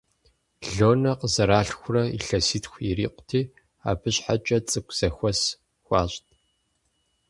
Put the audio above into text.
Лонэ къызэралъхурэ илъэситху ирикъути, абы щхьэкӀэ цӀыкӀу зэхуэс хуащӀт.